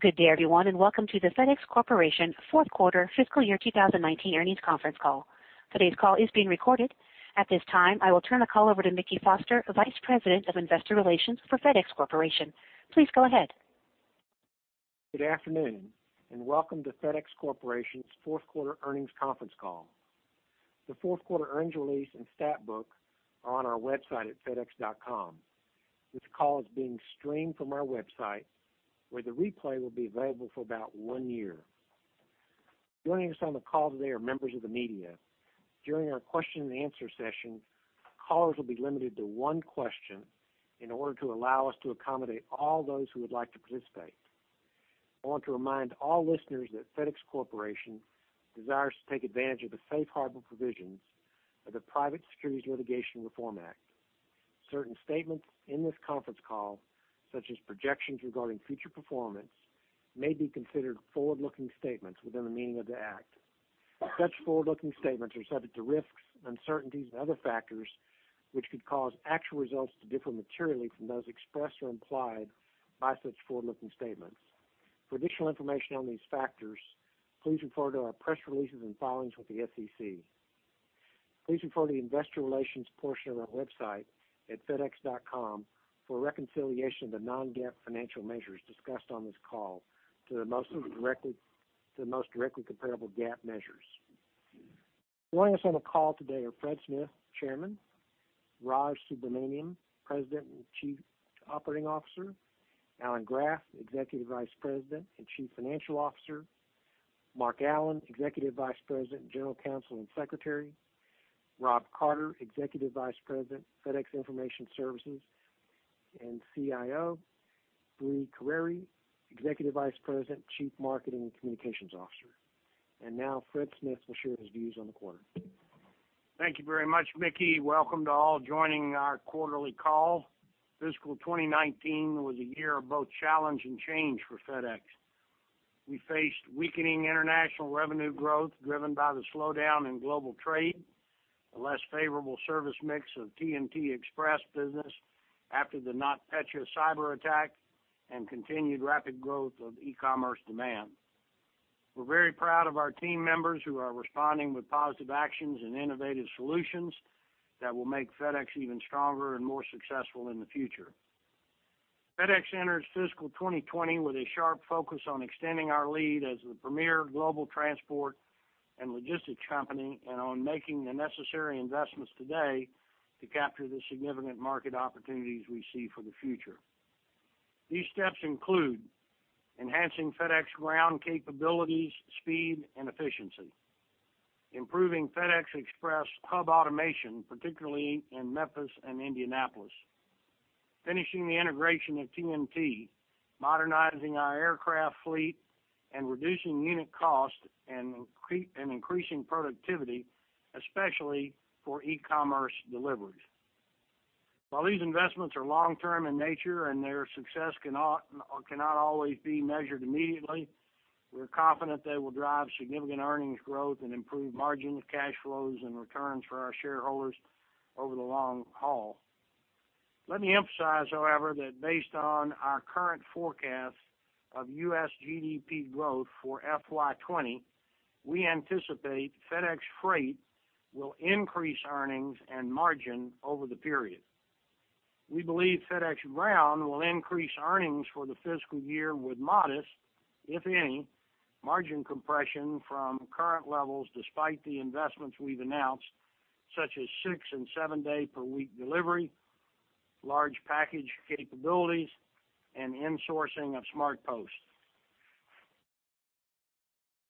Good day, everyone. Welcome to the FedEx Corporation fourth quarter fiscal year 2019 earnings conference call. Today's call is being recorded. At this time, I will turn the call over to Mickey Foster, Vice President of Investor Relations for FedEx Corporation. Please go ahead. Good afternoon. Welcome to FedEx Corporation's fourth quarter earnings conference call. The fourth quarter earnings release and stat book are on our website at fedex.com. This call is being streamed from our website, where the replay will be available for about one year. Joining us on the call today are members of the media. During our question and answer session, callers will be limited to one question in order to allow us to accommodate all those who would like to participate. I want to remind all listeners that FedEx Corporation desires to take advantage of the safe harbor provisions of the Private Securities Litigation Reform Act. Certain statements in this conference call, such as projections regarding future performance, may be considered forward-looking statements within the meaning of the act. Such forward-looking statements are subject to risks, uncertainties, and other factors which could cause actual results to differ materially from those expressed or implied by such forward-looking statements. For additional information on these factors, please refer to our press releases and filings with the SEC. Please refer to the investor relations portion of our website at fedex.com for a reconciliation of the non-GAAP financial measures discussed on this call to the most directly comparable GAAP measures. Joining us on the call today are Fred Smith, Chairman, Raj Subramaniam, President and Chief Operating Officer, Alan Graf, Executive Vice President and Chief Financial Officer, Mark Allen, Executive Vice President, General Counsel, and Secretary, Rob Carter, Executive Vice President, FedEx Information Services and CIO, Brie Carere, Executive Vice President, Chief Marketing and Communications Officer. Now Fred Smith will share his views on the quarter. Thank you very much, Mickey. Welcome to all joining our quarterly call. Fiscal 2019 was a year of both challenge and change for FedEx. We faced weakening international revenue growth driven by the slowdown in global trade, a less favorable service mix of TNT Express business after the NotPetya cyber attack, and continued rapid growth of e-commerce demand. We're very proud of our team members who are responding with positive actions and innovative solutions that will make FedEx even stronger and more successful in the future. FedEx enters fiscal 2020 with a sharp focus on extending our lead as the premier global transport and logistics company, and on making the necessary investments today to capture the significant market opportunities we see for the future. These steps include enhancing FedEx Ground capabilities, speed, and efficiency. Improving FedEx Express hub automation, particularly in Memphis and Indianapolis. Finishing the integration of TNT. Modernizing our aircraft fleet and reducing unit cost and increasing productivity, especially for e-commerce deliveries. While these investments are long-term in nature and their success cannot always be measured immediately, we're confident they will drive significant earnings growth and improve margins, cash flows, and returns for our shareholders over the long haul. Let me emphasize, however, that based on our current forecast of U.S. GDP growth for FY 2020, we anticipate FedEx Freight will increase earnings and margin over the period. We believe FedEx Ground will increase earnings for the fiscal year with modest, if any, margin compression from current levels, despite the investments we've announced, such as six and seven day per week delivery, large package capabilities, and insourcing of SmartPost.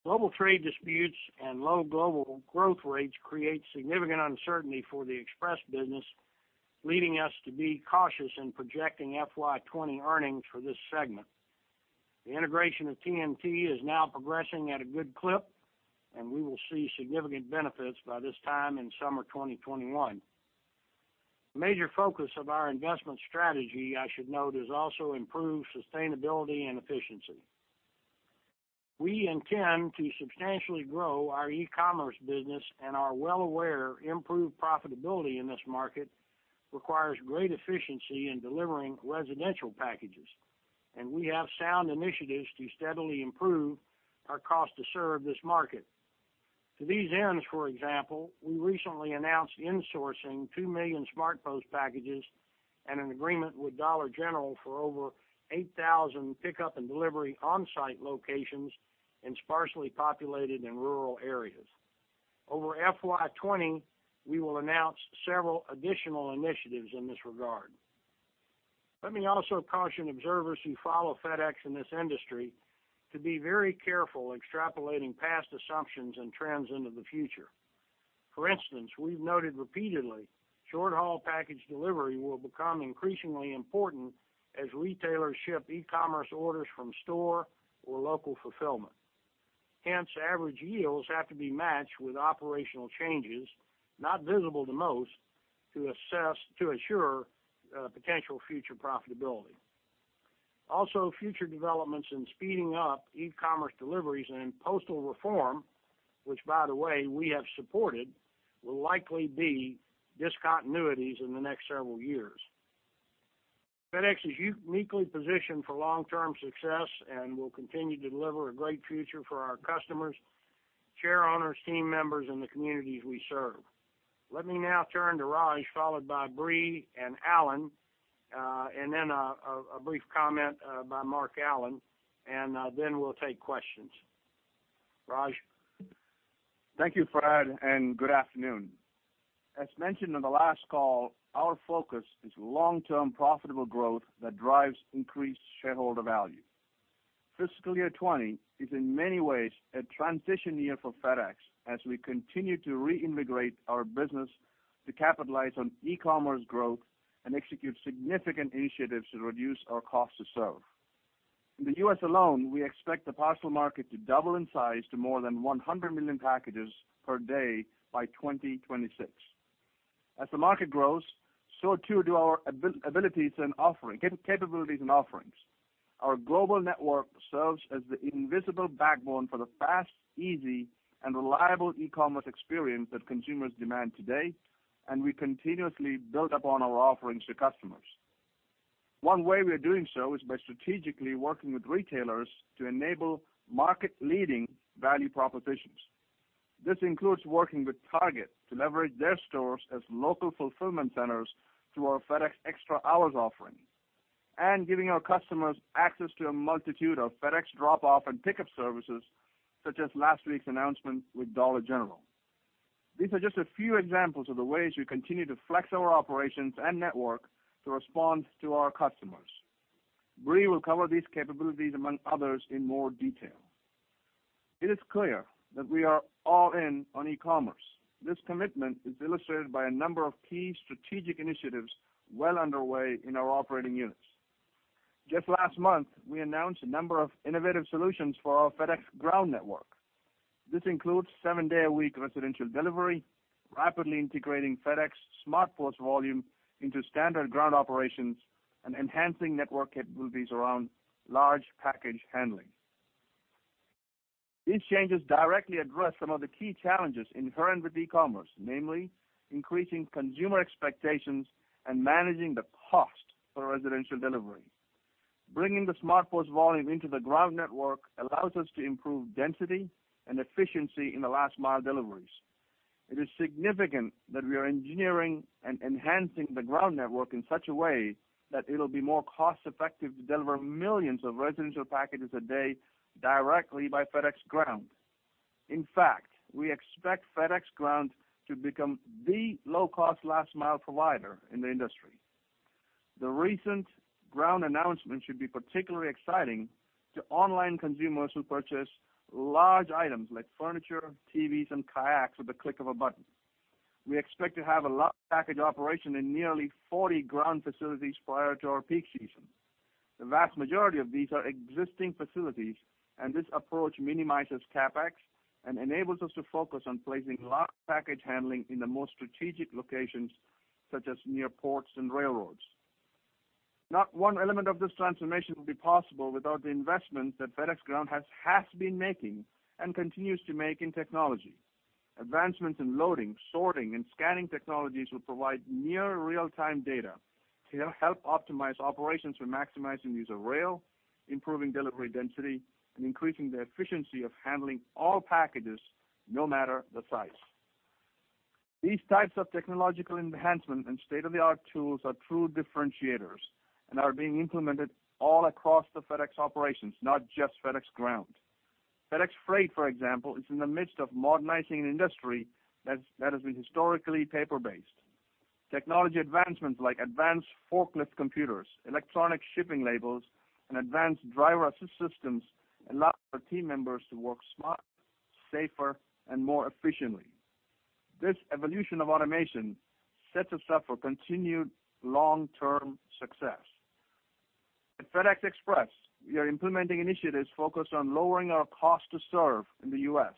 Global trade disputes and low global growth rates create significant uncertainty for the Express business, leading us to be cautious in projecting FY 2020 earnings for this segment. The integration of TNT is now progressing at a good clip. We will see significant benefits by this time in summer 2021. A major focus of our investment strategy, I should note, is also improved sustainability and efficiency. We intend to substantially grow our e-commerce business and are well aware improved profitability in this market requires great efficiency in delivering residential packages, and we have sound initiatives to steadily improve our cost to serve this market. To these ends, for example, we recently announced insourcing 2 million SmartPost packages and an agreement with Dollar General for over 8,000 pickup and delivery on-site locations in sparsely populated and rural areas. Over FY 2020, we will announce several additional initiatives in this regard. Let me also caution observers who follow FedEx in this industry to be very careful extrapolating past assumptions and trends into the future. For instance, we've noted repeatedly, short-haul package delivery will become increasingly important as retailers ship e-commerce orders from store or local fulfillment. Hence, average yields have to be matched with operational changes, not visible to most, to assure potential future profitability. Also, future developments in speeding up e-commerce deliveries and postal reform, which by the way, we have supported, will likely be discontinuities in the next several years. FedEx is uniquely positioned for long-term success and will continue to deliver a great future for our customers, shareowners, team members, and the communities we serve. Let me now turn to Raj, followed by Brie and Alan, and then a brief comment by Mark Allen, and then we'll take questions. Raj? Thank you, Fred. Good afternoon. As mentioned on the last call, our focus is long-term profitable growth that drives increased shareholder value. Fiscal year 2020 is in many ways a transition year for FedEx as we continue to reintegrate our business to capitalize on e-commerce growth and execute significant initiatives to reduce our cost to serve. In the U.S. alone, we expect the parcel market to double in size to more than 100 million packages per day by 2026. As the market grows, so too do our capabilities and offerings. Our global network serves as the invisible backbone for the fast, easy, and reliable e-commerce experience that consumers demand today, and we continuously build upon our offerings to customers. One way we are doing so is by strategically working with retailers to enable market-leading value propositions. This includes working with Target to leverage their stores as local fulfillment centers through our FedEx Extra Hours offering. Giving our customers access to a multitude of FedEx drop-off and pickup services, such as last week's announcement with Dollar General. These are just a few examples of the ways we continue to flex our operations and network to respond to our customers. Brie will cover these capabilities, among others, in more detail. It is clear that we are all in on e-commerce. This commitment is illustrated by a number of key strategic initiatives well underway in our operating units. Just last month, we announced a number of innovative solutions for our FedEx Ground network. This includes seven-day-a-week residential delivery, rapidly integrating FedEx SmartPost volume into standard Ground operations, and enhancing network capabilities around large package handling. These changes directly address some of the key challenges inherent with e-commerce, namely increasing consumer expectations and managing the cost for residential delivery. Bringing the SmartPost volume into the Ground network allows us to improve density and efficiency in the last mile deliveries. It is significant that we are engineering and enhancing the Ground network in such a way that it'll be more cost-effective to deliver millions of residential packages a day directly by FedEx Ground. In fact, we expect FedEx Ground to become the low-cost last mile provider in the industry. The recent Ground announcement should be particularly exciting to online consumers who purchase large items like furniture, TVs, and kayaks with the click of a button. We expect to have a large package operation in nearly 40 Ground facilities prior to our peak season. The vast majority of these are existing facilities. This approach minimizes CapEx and enables us to focus on placing large package handling in the most strategic locations, such as near ports and railroads. Not one element of this transformation would be possible without the investment that FedEx Ground has been making and continues to make in technology. Advancements in loading, sorting, and scanning technologies will provide near real-time data to help optimize operations for maximizing use of rail, improving delivery density, and increasing the efficiency of handling all packages, no matter the size. These types of technological enhancements and state-of-the-art tools are true differentiators and are being implemented all across the FedEx operations, not just FedEx Ground. FedEx Freight, for example, is in the midst of modernizing an industry that has been historically paper-based. Technology advancements like advanced forklift computers, electronic shipping labels, and advanced driver assist systems allow our team members to work smarter, safer, and more efficiently. This evolution of automation sets us up for continued long-term success. At FedEx Express, we are implementing initiatives focused on lowering our cost to serve in the U.S.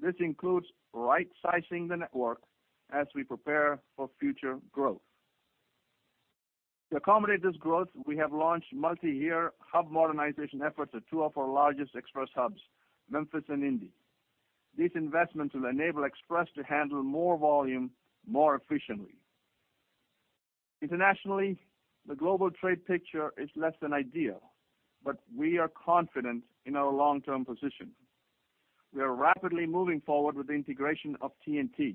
This includes rightsizing the network as we prepare for future growth. To accommodate this growth, we have launched multi-year hub modernization efforts at two of our largest Express hubs, Memphis and Indy. These investments will enable Express to handle more volume more efficiently. Internationally, the global trade picture is less than ideal. We are confident in our long-term position. We are rapidly moving forward with the integration of TNT.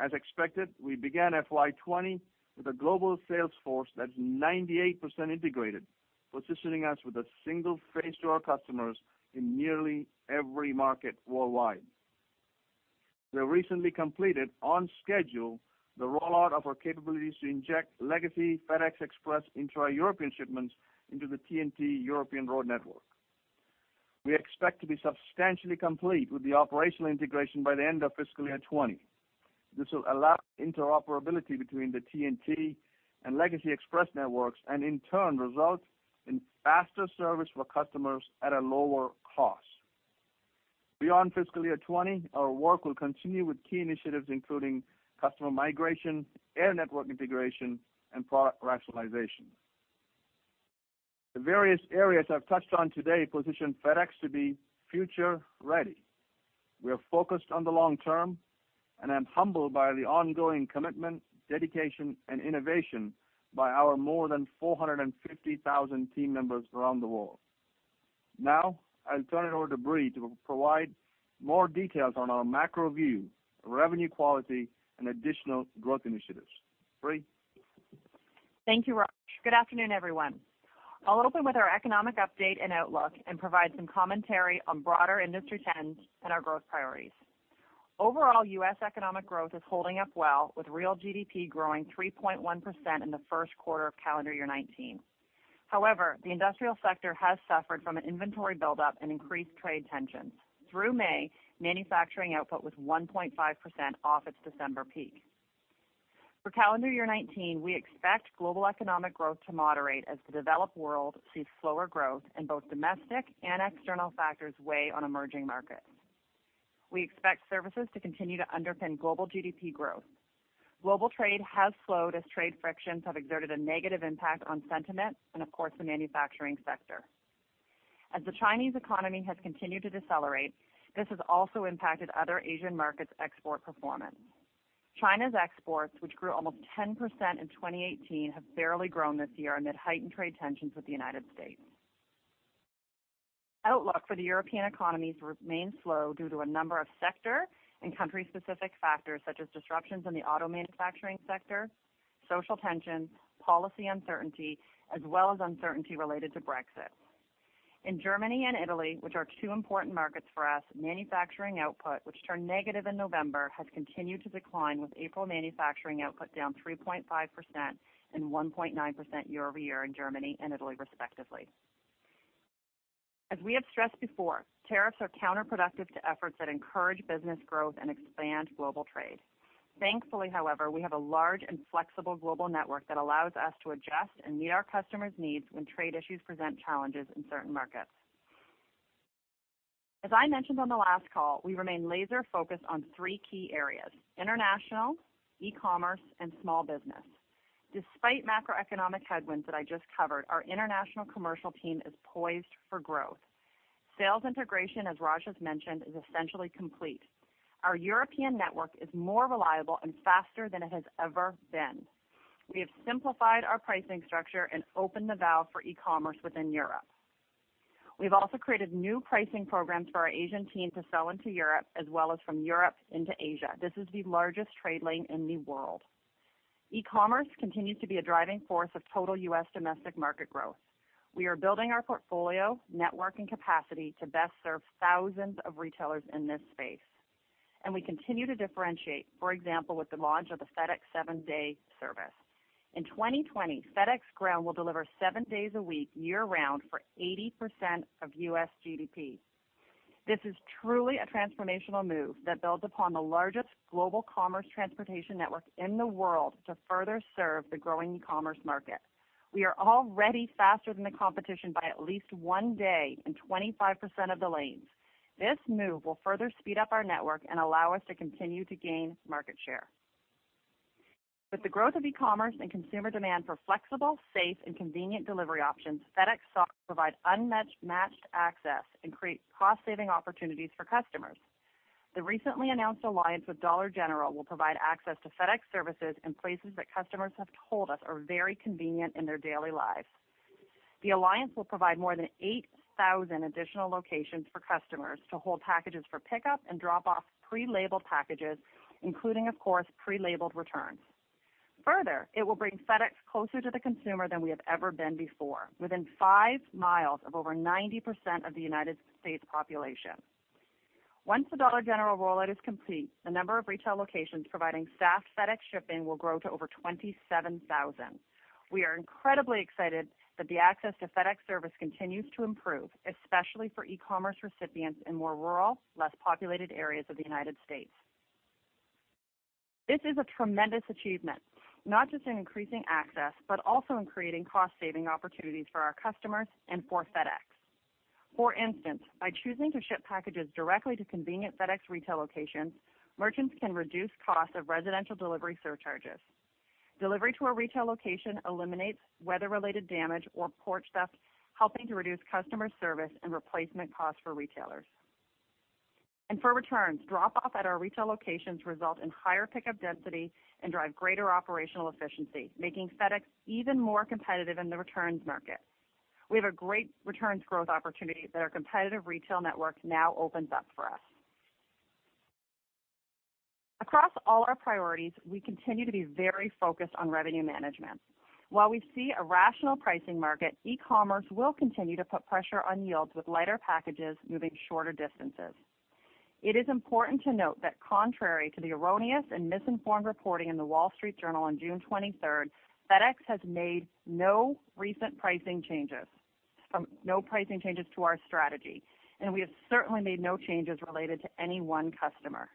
As expected, we began FY 2020 with a global sales force that's 98% integrated, positioning us with a single face to our customers in nearly every market worldwide. We recently completed, on schedule, the rollout of our capabilities to inject legacy FedEx Express intra-European shipments into the TNT European road network. We expect to be substantially complete with the operational integration by the end of fiscal year 2020. This will allow interoperability between the TNT and legacy Express networks, and in turn, result in faster service for customers at a lower cost. Beyond fiscal year 2020, our work will continue with key initiatives including customer migration, air network integration, and product rationalization. The various areas I've touched on today position FedEx to be future ready. We are focused on the long term, I'm humbled by the ongoing commitment, dedication, and innovation by our more than 450,000 team members around the world. I'll turn it over to Brie to provide more details on our macro view, revenue quality, and additional growth initiatives. Brie? Thank you, Raj. Good afternoon, everyone. I'll open with our economic update and outlook and provide some commentary on broader industry trends and our growth priorities. Overall, U.S. economic growth is holding up well, with real GDP growing 3.1% in the first quarter of calendar year 2019. However, the industrial sector has suffered from an inventory buildup and increased trade tensions. Through May, manufacturing output was 1.5% off its December peak. For calendar year 2019, we expect global economic growth to moderate as the developed world sees slower growth and both domestic and external factors weigh on emerging markets. We expect services to continue to underpin global GDP growth. Global trade has slowed as trade frictions have exerted a negative impact on sentiment and of course, the manufacturing sector. The Chinese economy has continued to decelerate, this has also impacted other Asian markets' export performance. China's exports, which grew almost 10% in 2018, have barely grown this year amid heightened trade tensions with the United States. Outlook for the European economies remains slow due to a number of sector and country-specific factors such as disruptions in the auto manufacturing sector, social tensions, policy uncertainty, as well as uncertainty related to Brexit. In Germany and Italy, which are two important markets for us, manufacturing output, which turned negative in November, has continued to decline with April manufacturing output down 3.5% and 1.9% year-over-year in Germany and Italy, respectively. We have stressed before, tariffs are counterproductive to efforts that encourage business growth and expand global trade. However, we have a large and flexible global network that allows us to adjust and meet our customers' needs when trade issues present challenges in certain markets. As I mentioned on the last call, we remain laser focused on three key areas, international, e-commerce, and small business. Despite macroeconomic headwinds that I just covered, our international commercial team is poised for growth. Sales integration, as Raj has mentioned, is essentially complete. Our European network is more reliable and faster than it has ever been. We have simplified our pricing structure and opened the valve for e-commerce within Europe. We have also created new pricing programs for our Asian team to sell into Europe as well as from Europe into Asia. This is the largest trade lane in the world. E-commerce continues to be a driving force of total U.S. domestic market growth. We are building our portfolio, network, and capacity to best serve thousands of retailers in this space. We continue to differentiate, for example, with the launch of the FedEx seven-day service. In 2020, FedEx Ground will deliver seven days a week, year-round for 80% of U.S. GDP. This is truly a transformational move that builds upon the largest global commerce transportation network in the world to further serve the growing e-commerce market. We are already faster than the competition by at least one day in 25% of the lanes. This move will further speed up our network and allow us to continue to gain market share. With the growth of e-commerce and consumer demand for flexible, safe, and convenient delivery options, FedEx seeks to provide unmatched access and create cost-saving opportunities for customers. The recently announced alliance with Dollar General will provide access to FedEx services in places that customers have told us are very convenient in their daily lives. The alliance will provide more than 8,000 additional locations for customers to hold packages for pickup and drop off pre-labeled packages, including, of course, pre-labeled returns. Further, it will bring FedEx closer to the consumer than we have ever been before, within five miles of over 90% of the United States population. Once the Dollar General rollout is complete, the number of retail locations providing staffed FedEx shipping will grow to over 27,000. We are incredibly excited that the access to FedEx service continues to improve, especially for e-commerce recipients in more rural, less populated areas of the United States. This is a tremendous achievement, not just in increasing access, but also in creating cost-saving opportunities for our customers and for FedEx. For instance, by choosing to ship packages directly to convenient FedEx retail locations, merchants can reduce costs of residential delivery surcharges. Delivery to a retail location eliminates weather-related damage or porch theft, helping to reduce customer service and replacement costs for retailers. For returns, drop off at our retail locations result in higher pickup density and drive greater operational efficiency, making FedEx even more competitive in the returns market. We have a great returns growth opportunity that our competitive retail network now opens up for us. Across all our priorities, we continue to be very focused on revenue management. While we see a rational pricing market, e-commerce will continue to put pressure on yields with lighter packages moving shorter distances. It is important to note that contrary to the erroneous and misinformed reporting in The Wall Street Journal on June 23rd, FedEx has made no recent pricing changes to our strategy, and we have certainly made no changes related to any one customer.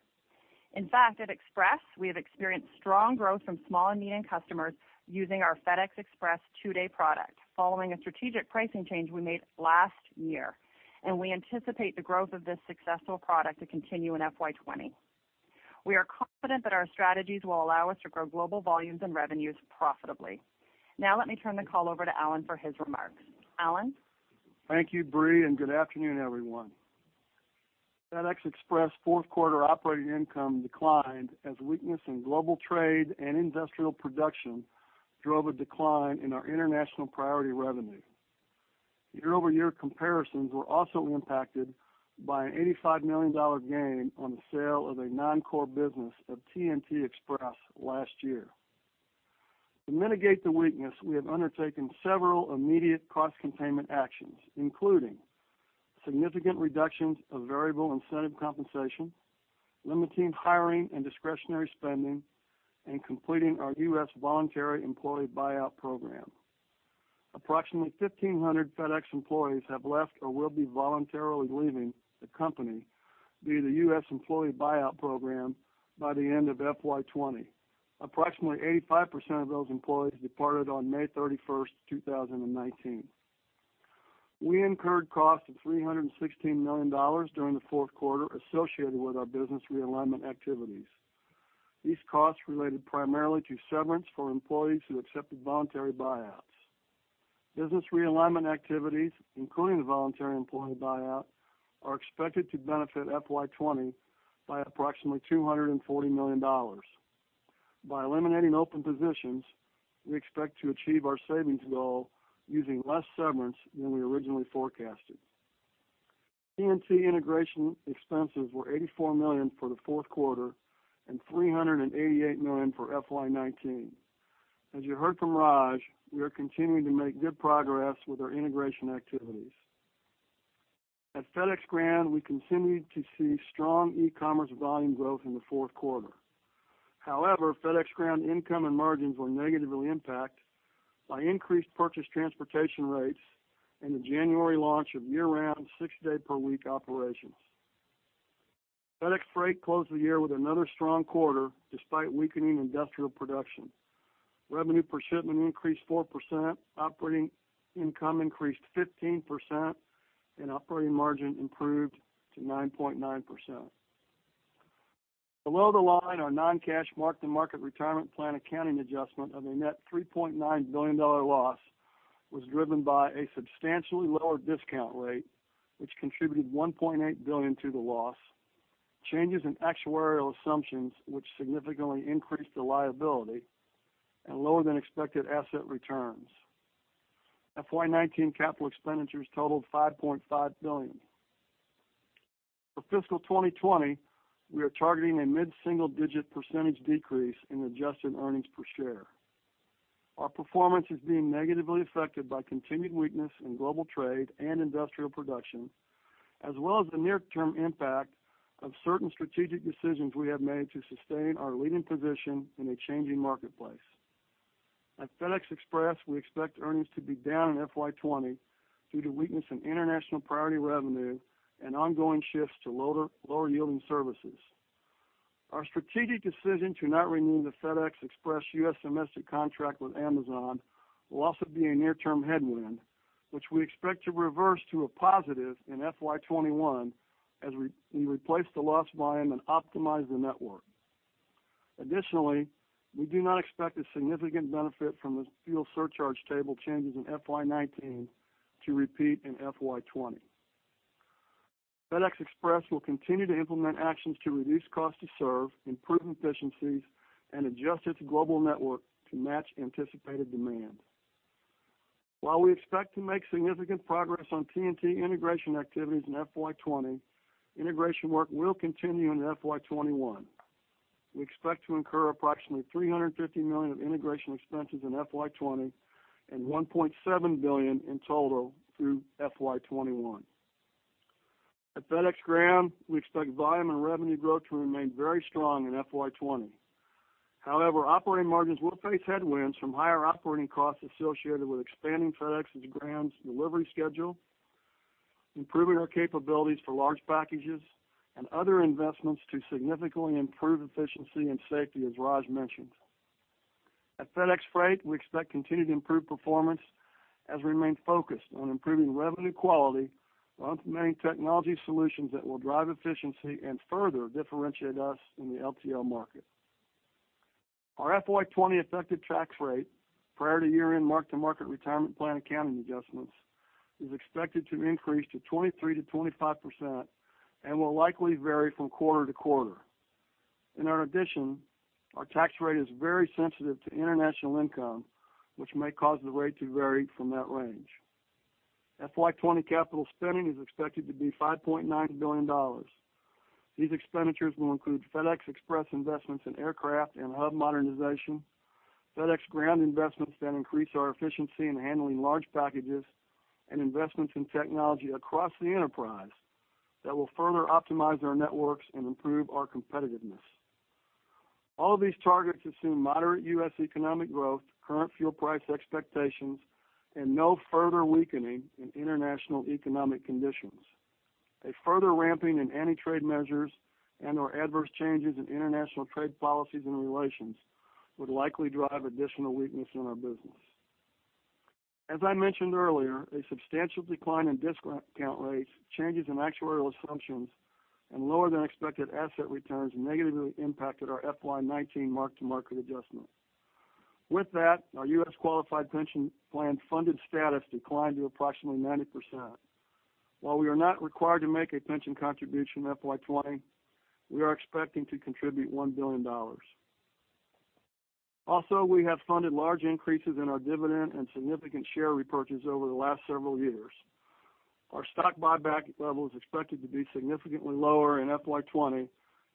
In fact, at Express, we have experienced strong growth from small and medium customers using our FedEx Express two-day product following a strategic pricing change we made last year, and we anticipate the growth of this successful product to continue in FY 2020. We are confident that our strategies will allow us to grow global volumes and revenues profitably. Now let me turn the call over to Alan for his remarks. Alan? Thank you, Brie, and good afternoon, everyone. FedEx Express fourth quarter operating income declined as weakness in global trade and industrial production drove a decline in our international priority revenue. Year-over-year comparisons were also impacted by an $85 million gain on the sale of a non-core business of TNT Express last year. To mitigate the weakness, we have undertaken several immediate cost containment actions, including significant reductions of variable incentive compensation, limiting hiring and discretionary spending, and completing our U.S. voluntary employee buyout program. Approximately 1,500 FedEx employees have left or will be voluntarily leaving the company via the U.S. employee buyout program by the end of FY 2020. Approximately 85% of those employees departed on May 31st, 2019. We incurred costs of $316 million during the fourth quarter associated with our business realignment activities. These costs related primarily to severance for employees who accepted voluntary buyouts. Business realignment activities, including the voluntary employee buyout, are expected to benefit FY 2020 by approximately $240 million. By eliminating open positions, we expect to achieve our savings goal using less severance than we originally forecasted. TNT integration expenses were $84 million for the fourth quarter and $388 million for FY 2019. As you heard from Raj, we are continuing to make good progress with our integration activities. At FedEx Ground, we continued to see strong e-commerce volume growth in the fourth quarter. However, FedEx Ground income and margins were negatively impacted by increased purchase transportation rates and the January launch of year-round, six-day-per-week operations. FedEx Freight closed the year with another strong quarter despite weakening industrial production. Revenue per shipment increased 4%, operating income increased 15%, and operating margin improved to 9.9%. Below the line, our non-cash mark-to-market retirement plan accounting adjustment of a net $3.9 billion loss was driven by a substantially lower discount rate, which contributed $1.8 billion to the loss, changes in actuarial assumptions, which significantly increased the liability, and lower than expected asset returns. FY 2019 capital expenditures totaled $5.5 billion. For fiscal 2020, we are targeting a mid-single-digit percentage decrease in adjusted earnings per share. Our performance is being negatively affected by continued weakness in global trade and industrial production, as well as the near-term impact of certain strategic decisions we have made to sustain our leading position in a changing marketplace. At FedEx Express, we expect earnings to be down in FY 2020 due to weakness in international priority revenue and ongoing shifts to lower-yielding services. Our strategic decision to not renew the FedEx Express U.S. domestic contract with Amazon will also be a near-term headwind, which we expect to reverse to a positive in FY 2021 as we replace the lost volume and optimize the network. Additionally, we do not expect a significant benefit from the fuel surcharge table changes in FY 2019 to repeat in FY 2020. FedEx Express will continue to implement actions to reduce cost to serve, improve efficiencies, and adjust its global network to match anticipated demand. While we expect to make significant progress on TNT integration activities in FY 2020, integration work will continue into FY 2021. We expect to incur approximately $350 million of integration expenses in FY 2020 and $1.7 billion in total through FY 2021. At FedEx Ground, we expect volume and revenue growth to remain very strong in FY 2020. However, operating margins will face headwinds from higher operating costs associated with expanding FedEx Ground's delivery schedule, improving our capabilities for large packages, and other investments to significantly improve efficiency and safety, as Raj mentioned. At FedEx Freight, we expect continued improved performance as we remain focused on improving revenue quality while implementing technology solutions that will drive efficiency and further differentiate us in the LTL market. Our FY 2020 effective tax rate, prior to year-end mark-to-market retirement plan accounting adjustments, is expected to increase to 23%-25% and will likely vary from quarter to quarter. In addition, our tax rate is very sensitive to international income, which may cause the rate to vary from that range. FY 2020 capital spending is expected to be $5.9 billion. These expenditures will include FedEx Express investments in aircraft and hub modernization, FedEx Ground investments that increase our efficiency in handling large packages, and investments in technology across the enterprise that will further optimize our networks and improve our competitiveness. All of these targets assume moderate U.S. economic growth, current fuel price expectations, and no further weakening in international economic conditions. A further ramping in anti-trade measures and/or adverse changes in international trade policies and relations would likely drive additional weakness in our business. As I mentioned earlier, a substantial decline in discount rates, changes in actuarial assumptions, and lower than expected asset returns negatively impacted our FY 2019 mark-to-market adjustment. With that, our U.S. qualified pension plan funded status declined to approximately 90%. While we are not required to make a pension contribution in FY 2020, we are expecting to contribute $1 billion. Also, we have funded large increases in our dividend and significant share repurchase over the last several years. Our stock buyback level is expected to be significantly lower in FY 2020,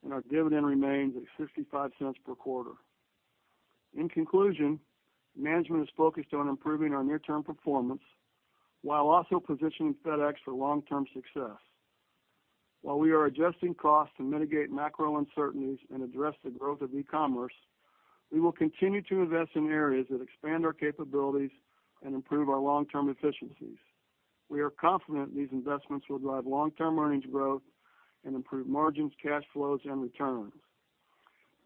and our dividend remains at $0.65 per quarter. In conclusion, management is focused on improving our near-term performance while also positioning FedEx for long-term success. While we are adjusting costs to mitigate macro uncertainties and address the growth of e-commerce, we will continue to invest in areas that expand our capabilities and improve our long-term efficiencies. We are confident these investments will drive long-term earnings growth and improve margins, cash flows, and returns.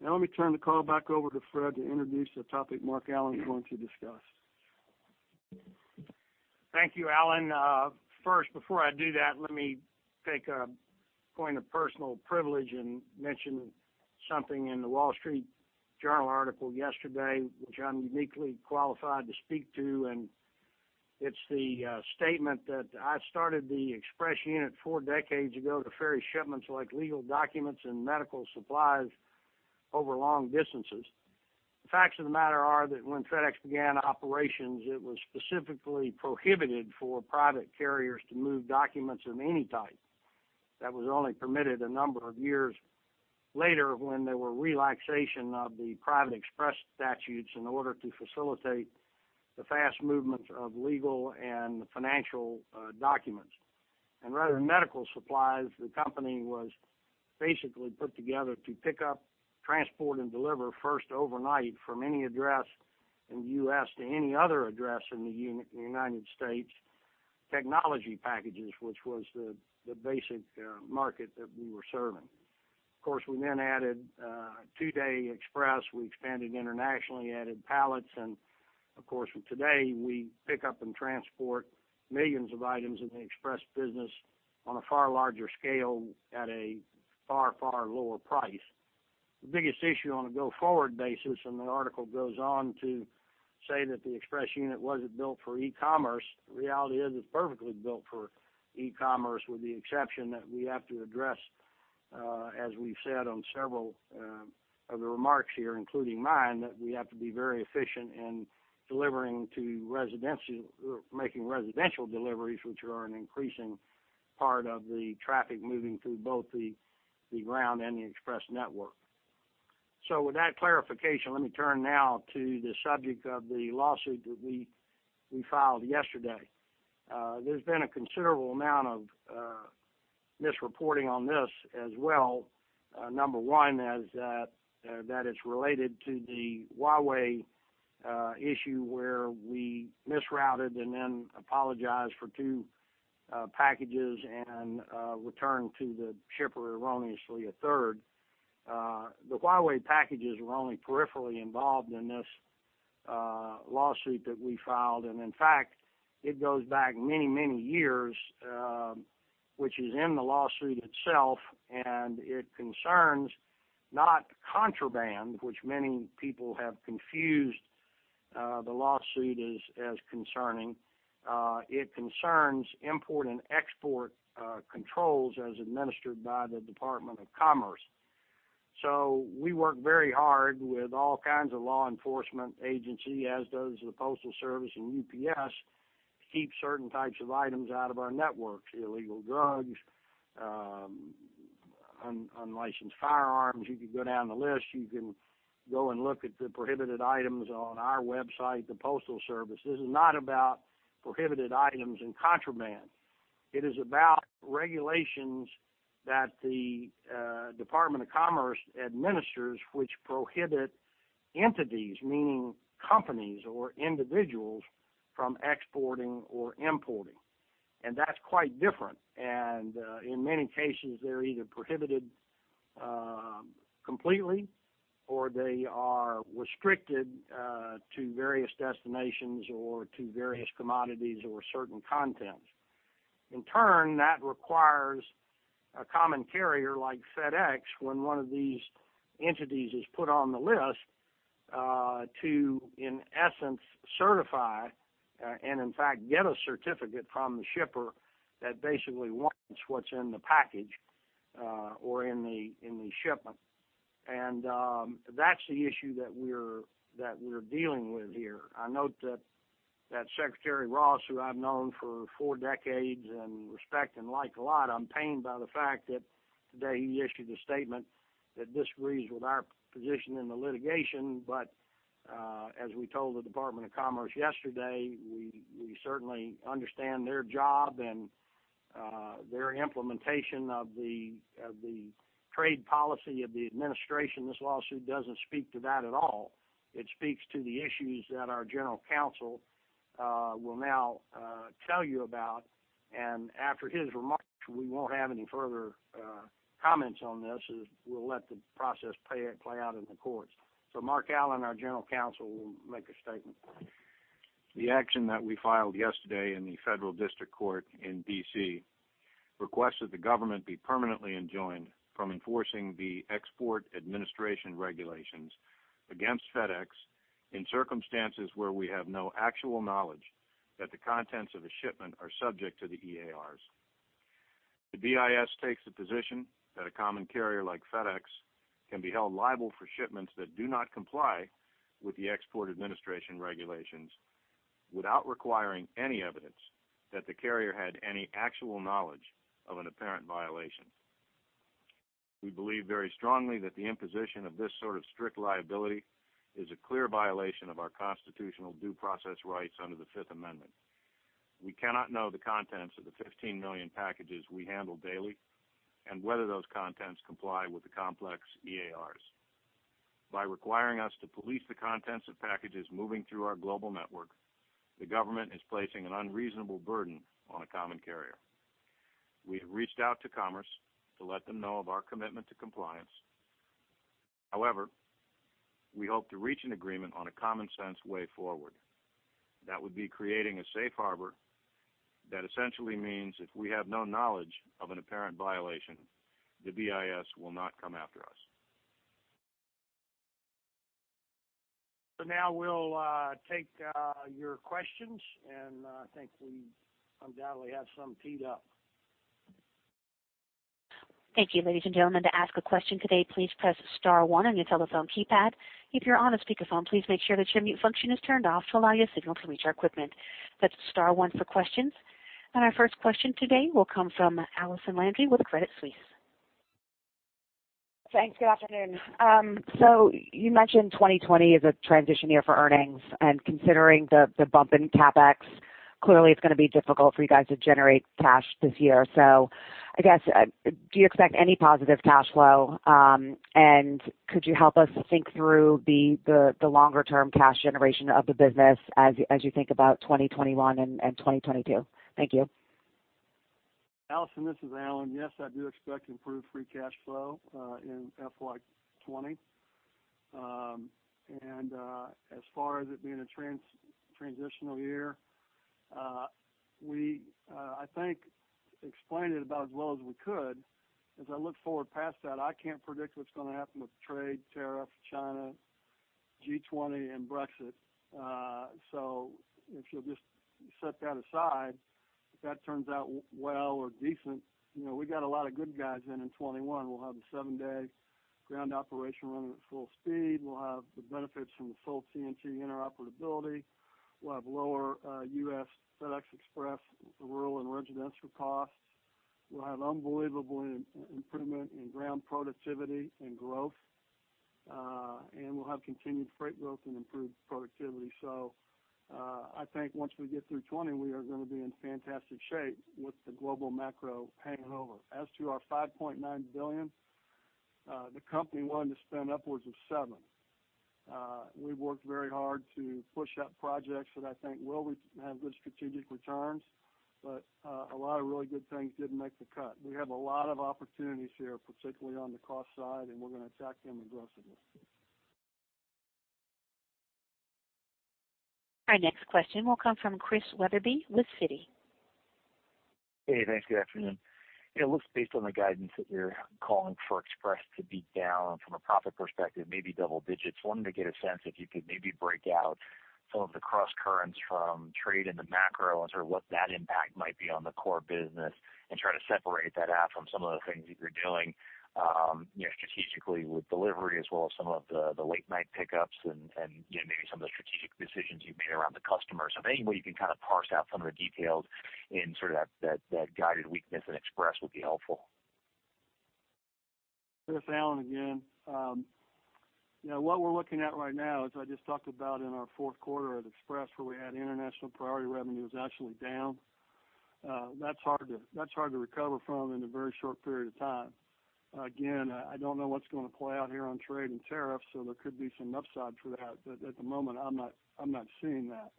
Now, let me turn the call back over to Fred to introduce the topic Mark Allen is going to discuss. Thank you, Alan. First, before I do that, let me take a point of personal privilege and mention something in The Wall Street Journal article yesterday, which I'm uniquely qualified to speak to. It's the statement that I started the Express unit 4 decades ago to ferry shipments like legal documents and medical supplies over long distances. The facts of the matter are that when FedEx began operations, it was specifically prohibited for private carriers to move documents of any type. That was only permitted a number of years later when there were relaxation of the private express statutes in order to facilitate the fast movements of legal and financial documents. Rather than medical supplies, the company was basically put together to pick up, transport, and deliver first overnight from any address in the U.S. to any other address in the United States, technology packages, which was the basic market that we were serving. Of course, we then added a 2-day Express. We expanded internationally, added pallets, and of course, today, we pick up and transport millions of items in the Express business on a far larger scale at a far, far lower price. The biggest issue on a go-forward basis. The article goes on to say that the Express unit wasn't built for e-commerce. The reality is, it's perfectly built for e-commerce, with the exception that we have to address, as we've said on several of the remarks here, including mine, that we have to be very efficient in making residential deliveries, which are an increasing part of the traffic moving through both the Ground and the Express network. With that clarification, let me turn now to the subject of the lawsuit that we filed yesterday. There's been a considerable amount of misreporting on this as well. Number 1 is that it's related to the Huawei issue, where we misrouted and then apologized for 2 packages and returned to the shipper erroneously a third. The Huawei packages were only peripherally involved in this lawsuit that we filed, and in fact, it goes back many years, which is in the lawsuit itself, and it concerns not contraband, which many people have confused the lawsuit as concerning. It concerns import and export controls as administered by the Department of Commerce. We work very hard with all kinds of law enforcement agency, as does the Postal Service and UPS, to keep certain types of items out of our networks. Illegal drugs, unlicensed firearms. You could go down the list. You can go and look at the prohibited items on our website, the Postal Service. This is not about prohibited items and contraband. It is about regulations that the Department of Commerce administers, which prohibit entities, meaning companies or individuals, from exporting or importing. That's quite different. In many cases, they're either prohibited completely, or they are restricted to various destinations or to various commodities or certain contents. In turn, that requires a common carrier like FedEx, when one of these entities is put on the list, to, in essence, certify and in fact, get a certificate from the shipper that basically warrants what's in the package or in the shipment. That's the issue that we're dealing with here. I note that Secretary Ross, who I've known for four decades and respect and like a lot, I'm pained by the fact that today he issued a statement that disagrees with our position in the litigation. As we told the Department of Commerce yesterday, we certainly understand their job and their implementation of the trade policy of the administration. This lawsuit doesn't speak to that at all. It speaks to the issues that our general counsel will now Tell you about. After his remarks, we won't have any further comments on this, as we'll let the process play out in the courts. Mark Allen, our general counsel, will make a statement. The action that we filed yesterday in the Federal District Court in D.C. requests that the government be permanently enjoined from enforcing the Export Administration Regulations against FedEx in circumstances where we have no actual knowledge that the contents of a shipment are subject to the EARs. The BIS takes the position that a common carrier like FedEx can be held liable for shipments that do not comply with the Export Administration Regulations without requiring any evidence that the carrier had any actual knowledge of an apparent violation. We believe very strongly that the imposition of this sort of strict liability is a clear violation of our constitutional due process rights under the Fifth Amendment. We cannot know the contents of the 15 million packages we handle daily and whether those contents comply with the complex EARs. By requiring us to police the contents of packages moving through our global network, the government is placing an unreasonable burden on a common carrier. We have reached out to Commerce to let them know of our commitment to compliance. We hope to reach an agreement on a common-sense way forward. That would be creating a safe harbor. That essentially means if we have no knowledge of an apparent violation, the BIS will not come after us. Now we'll take your questions, and I think we undoubtedly have some teed up. Thank you, ladies and gentlemen. To ask a question today, please press *1 on your telephone keypad. If you're on a speakerphone, please make sure that your mute function is turned off to allow your signal to reach our equipment. That's *1 for questions. Our first question today will come from Allison Landry with Credit Suisse. Thanks. Good afternoon. You mentioned 2020 is a transition year for earnings. Considering the bump in CapEx, clearly it's going to be difficult for you guys to generate cash this year. I guess, do you expect any positive cash flow? Could you help us think through the longer-term cash generation of the business as you think about 2021 and 2022? Thank you. Allison, this is Alan. Yes, I do expect improved free cash flow in FY 2020. As far as it being a transitional year, we, I think, explained it about as well as we could. As I look forward past that, I can't predict what's going to happen with trade, tariffs, China, G20, and Brexit. If you'll just set that aside, if that turns out well or decent, we got a lot of good guys in 2021. We'll have the 7-day Ground operation running at full speed. We'll have the benefits from the full TNT interoperability. We'll have lower U.S. FedEx Express rural and residential costs. We'll have unbelievable improvement in Ground productivity and growth. We'll have continued Freight growth and improved productivity. I think once we get through 2020, we are going to be in fantastic shape with the global macro hangover. As to our $5.9 billion, the company wanted to spend upwards of 7. We've worked very hard to push out projects that I think will have good strategic returns. A lot of really good things didn't make the cut. We have a lot of opportunities here, particularly on the cost side. We're going to attack them aggressively. Our next question will come from Chris Wetherbee with Citi. Hey, thanks. Good afternoon. It looks based on the guidance that you're calling for Express to be down from a profit perspective, maybe double digits. Wanted to get a sense if you could maybe break out some of the crosscurrents from trade and the macro and sort of what that impact might be on the core business and try to separate that out from some of the things that you're doing strategically with delivery as well as some of the late-night pickups and maybe some of the strategic decisions you've made around the customers. If there's any way you can kind of parse out some of the details in sort of that guided weakness in Express would be helpful. Chris, Alan again. What we're looking at right now, as I just talked about in our fourth quarter at Express, where we had international priority revenue, is actually down. That's hard to recover from in a very short period of time. I don't know what's going to play out here on trade and tariffs, there could be some upside for that. At the moment, I'm not seeing that.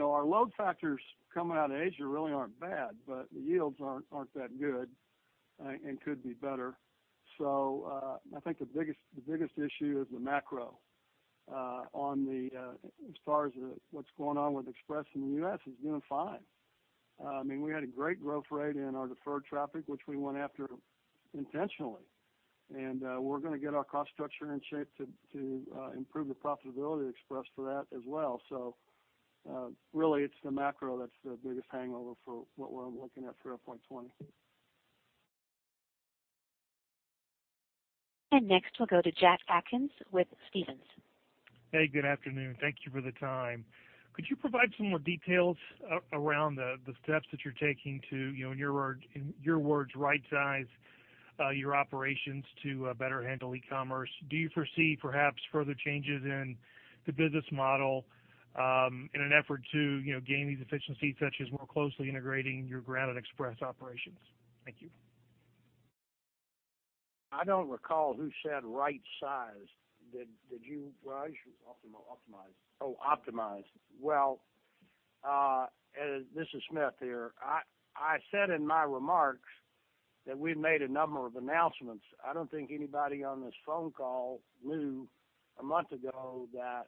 Our load factors coming out of Asia really aren't bad, but the yields aren't that good and could be better. I think the biggest issue is the macro. As far as what's going on with Express in the U.S., it's doing fine. We had a great growth rate in our deferred traffic, which we went after intentionally. We're going to get our cost structure in shape to improve the profitability of Express for that as well. Really, it's the macro that's the biggest hangover for what we're looking at for FY 2020. Next, we'll go to Jack Atkins with Stephens. Hey, good afternoon. Thank you for the time. Could you provide some more details around the steps that you're taking to, in your words, rightsize your operations to better handle e-commerce? Do you foresee perhaps further changes in the business model in an effort to gain these efficiencies, such as more closely integrating your Ground and Express operations? Thank you. I don't recall who said right size. Did you, Raj? Optimize. Oh, optimize. Well, this is Smith here. I said in my remarks that we've made a number of announcements. I don't think anybody on this phone call knew a month ago that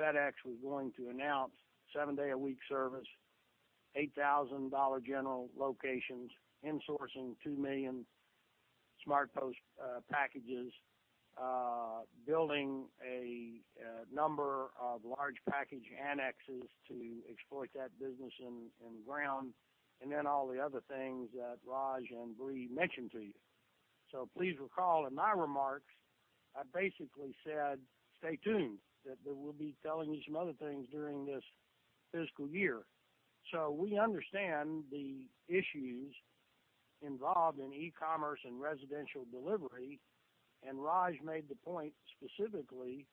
FedEx was going to announce 7-day-a-week service, 8,000 Dollar General locations, insourcing 2 million SmartPost packages, building a number of large package annexes to exploit that business in Ground. All the other things that Raj and Brie mentioned to you. Please recall in my remarks, I basically said, stay tuned, that we'll be telling you some other things during this fiscal year. We understand the issues involved in e-commerce and residential delivery. Raj made the point specifically,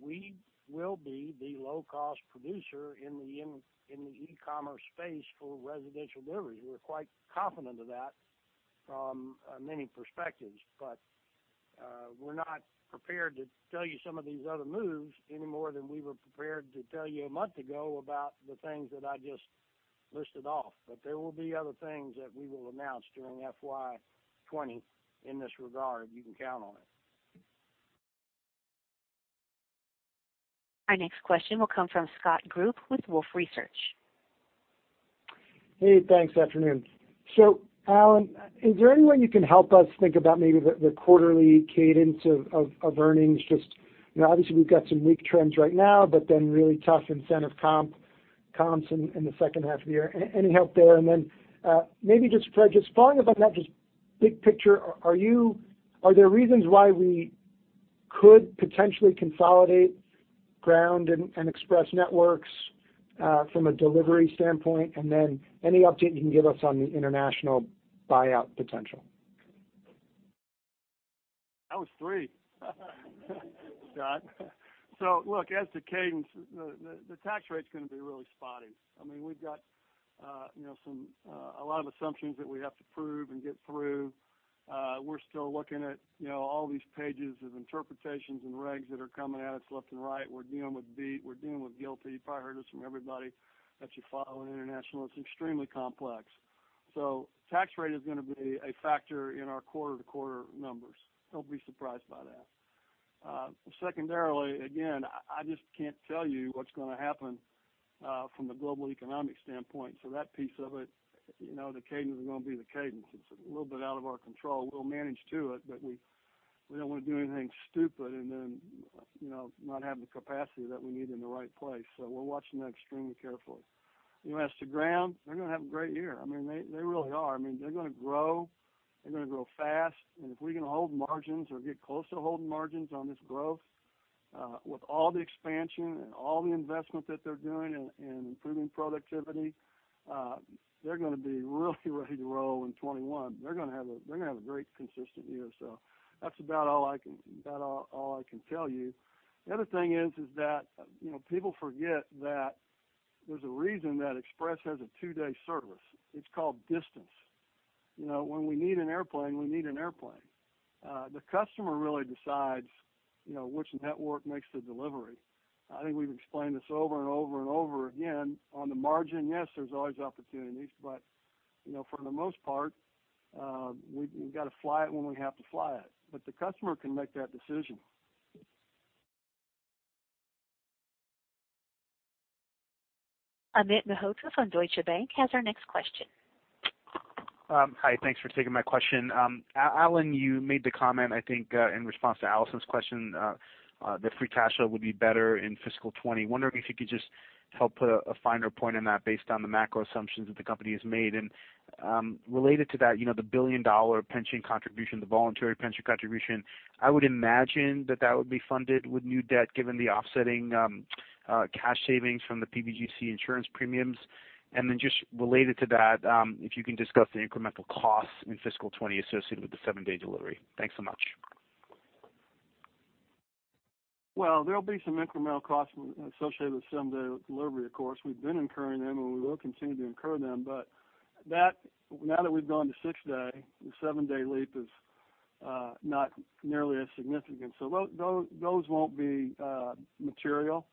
we will be the low-cost producer in the e-commerce space for residential deliveries. We're quite confident of that from many perspectives. We're not prepared to tell you some of these other moves any more than we were prepared to tell you a month ago about the things that I just listed off. There will be other things that we will announce during FY 2020 in this regard. You can count on it. Our next question will come from Scott Group with Wolfe Research. Thanks. Afternoon. Alan, is there any way you can help us think about maybe the quarterly cadence of earnings? Just obviously, we've got some weak trends right now, but then really tough incentive comps in the second half of the year. Any help there? Raj, just following up on that, just big picture, are there reasons why we could potentially consolidate Ground and Express networks from a delivery standpoint? And then any update you can give us on the international buyout potential? That was three, Scott. Look, as to cadence, the tax rate's going to be really spotty. We've got a lot of assumptions that we have to prove and get through. We're still looking at all these pages of interpretations and regs that are coming at us left and right. We're dealing with BEAT. We're dealing with GILTI. You probably heard this from everybody that you follow in international. It's extremely complex. Tax rate is going to be a factor in our quarter-to-quarter numbers. Don't be surprised by that. Secondarily, again, I just can't tell you what's going to happen from the global economic standpoint. That piece of it, the cadence is going to be the cadence. It's a little bit out of our control. We'll manage to it, but we don't want to do anything stupid and then not have the capacity that we need in the right place. We're watching that extremely carefully. As to Ground, they're going to have a great year. They really are. They're going to grow. They're going to grow fast. If we can hold margins or get close to holding margins on this growth with all the expansion and all the investment that they're doing in improving productivity, they're going to be really ready to roll in 2021. They're going to have a great, consistent year. That's about all I can tell you. The other thing is that people forget that there's a reason that Express has a two-day service. It's called distance. When we need an airplane, we need an airplane. The customer really decides which network makes the delivery. I think we've explained this over and over and over again. On the margin, yes, there's always opportunities, but for the most part, we've got to fly it when we have to fly it. The customer can make that decision. Amit Mehrotra from Deutsche Bank has our next question. Hi, thanks for taking my question. Alan, you made the comment, I think, in response to Allison's question that free cash flow would be better in fiscal 2020. Wondering if you could just help put a finer point on that based on the macro assumptions that the company has made. Related to that, the $1 billion pension contribution, the voluntary pension contribution, I would imagine that that would be funded with new debt given the offsetting cash savings from the PBGC insurance premiums. Just related to that, if you can discuss the incremental costs in fiscal 2020 associated with the seven-day delivery. Thanks so much. There'll be some incremental costs associated with seven-day delivery, of course. We've been incurring them, and we will continue to incur them. Now that we've gone to six-day, the seven-day leap is not nearly as significant. Those won't be material,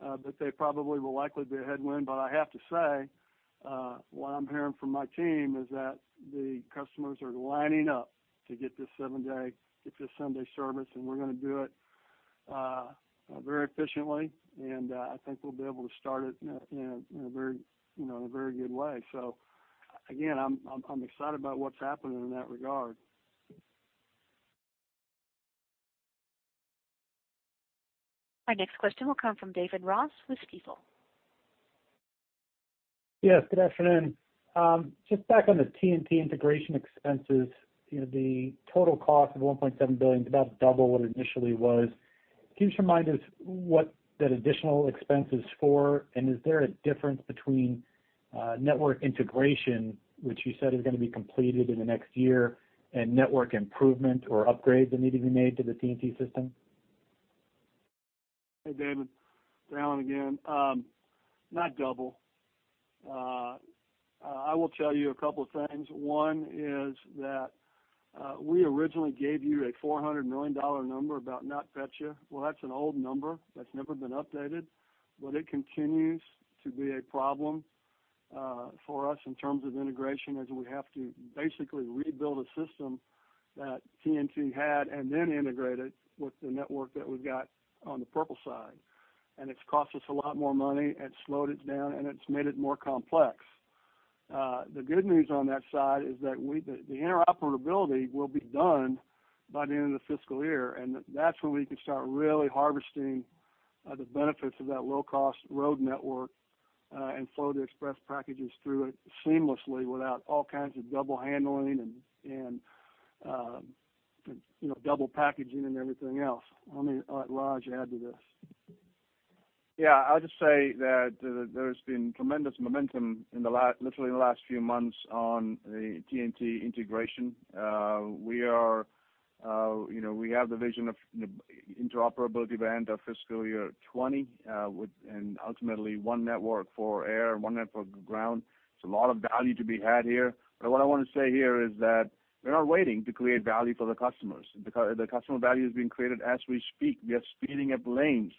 but they probably will likely be a headwind. I have to say, what I'm hearing from my team is that the customers are lining up to get this seven-day, get this Sunday service, and we're going to do it very efficiently, and I think we'll be able to start it in a very good way. Again, I'm excited about what's happening in that regard. Our next question will come from David Ross with Stifel. Yes, good afternoon. Just back on the TNT integration expenses, the total cost of $1.7 billion is about double what it initially was. Can you just remind us what that additional expense is for? Is there a difference between network integration, which you said is going to be completed in the next year, and network improvement or upgrades that need to be made to the TNT system? Hey, David. It's Alan again. Not double. I will tell you a couple of things. One is that we originally gave you a $400 million number about NotPetya. Well, that's an old number that's never been updated, but it continues to be a problem for us in terms of integration, as we have to basically rebuild a system that TNT had and then integrate it with the network that we've got on the purple side. It's cost us a lot more money and slowed it down, and it's made it more complex. The good news on that side is that the interoperability will be done by the end of the fiscal year, and that's when we can start really harvesting the benefits of that low-cost road network, and flow the Express packages through it seamlessly without all kinds of double handling and double packaging and everything else. I'll let Raj add to this. Yeah. I'll just say that there's been tremendous momentum literally in the last few months on the TNT integration. We have the vision of interoperability by end of fiscal year 2020, and ultimately one network for air, one network for ground. There's a lot of value to be had here. What I want to say here is that we're not waiting to create value for the customers. The customer value is being created as we speak. We are speeding up lanes,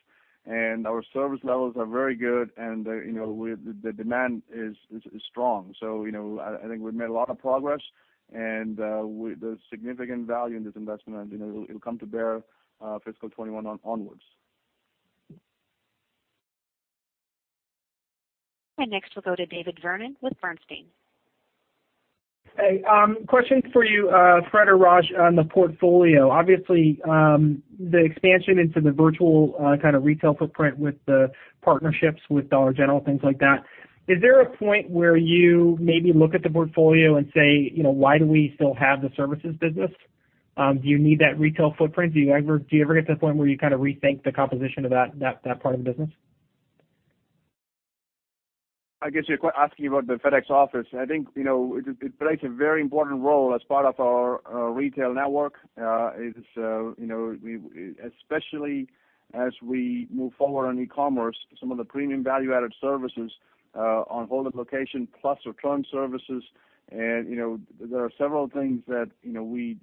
and our service levels are very good, and the demand is strong. I think we've made a lot of progress, and there's significant value in this investment, and it'll come to bear fiscal 2021 onwards. Next, we'll go to David Vernon with Bernstein. Hey. Question for you, Fred or Raj, on the portfolio. Obviously, the expansion into the virtual retail footprint with the partnerships with Dollar General, things like that, is there a point where you maybe look at the portfolio and say, "Why do we still have the services business?" Do you need that retail footprint? Do you ever get to the point where you rethink the composition of that part of the business? I guess you're asking about the FedEx Office. I think it plays a very important role as part of our retail network. Especially as we move forward on e-commerce, some of the premium value-added services on hold at location, plus return services. There are several things that we